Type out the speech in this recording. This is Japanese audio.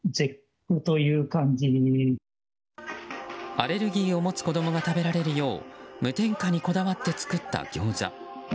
アレルギーを持つ子供が食べられるよう無添加にこだわって作ったギョーザ。